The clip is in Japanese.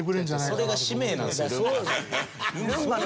それが使命なんですよルンバの。